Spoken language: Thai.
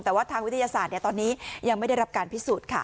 แต่ว่าทางวิทยาศาสตร์ตอนนี้ยังไม่ได้รับการพิสูจน์ค่ะ